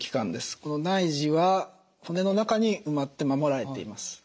この内耳は骨の中に埋まって守られています。